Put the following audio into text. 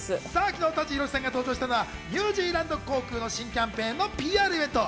昨日、舘ひろしさんが登場したのニュージーランド航空の新キャンペーンのＰＲイベント。